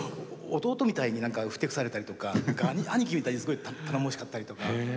弟みたいにふてくされたりとか兄貴みたいにすごい頼もしかったりとか。